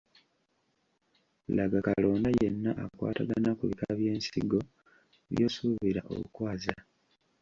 Laga kalonda yenna akwatagana ku bika by’ensigo by’osuubira okwaza.